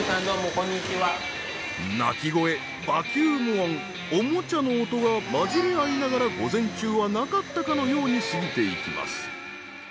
泣き声バキューム音おもちゃの音が混じり合いながら午前中はなかったかのように過ぎていきます。